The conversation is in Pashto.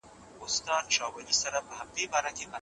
موږ هر وخت بازۍ کوو.